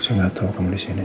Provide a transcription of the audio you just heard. saya gak tau kamu disini